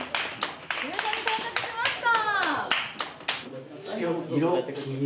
事務所に到着しました。